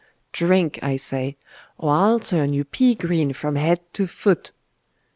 Drink, I say, or I'll turn you pea green from head to foot!